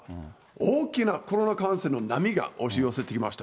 大きなコロナ感染の波が押し寄せていました。